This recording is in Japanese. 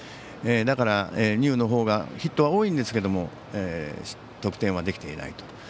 だから、丹生のほうがヒットは多いんですけれども得点はできていないと。